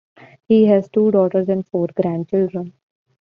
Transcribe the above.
He has two daughters and four grandchildren.